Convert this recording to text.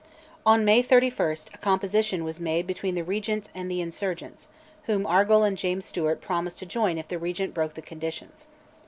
On May 31 a composition was made between the Regent and the insurgents, whom Argyll and James Stewart promised to join if the Regent broke the conditions.